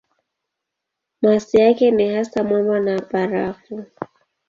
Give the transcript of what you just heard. Masi yake ni hasa mwamba na barafu.